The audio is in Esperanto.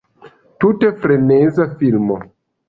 Tute freneza filmo.